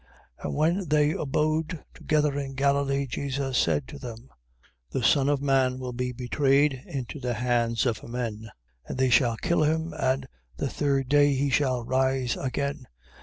17:21. And when they abode together in Galilee, Jesus said to them: The Son of man shall be betrayed into the hands of men: 17:22. And they shall kill him, and the third day he shall rise again.